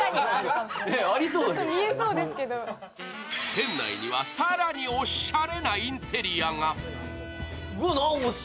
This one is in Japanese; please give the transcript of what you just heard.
店内には、さらにおしゃれなインテリアが。